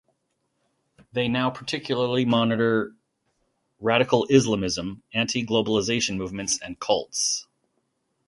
They now particularly monitor radical Islamism, anti-Globalization movements, and cults.